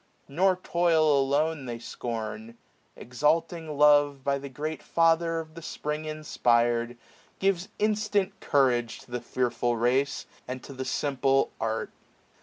Nor toil alone they scorn : Exahing love. By the great Father of the Spring inspir'd, 685^ Gives instant courage to the fearful race. And to the simple, art.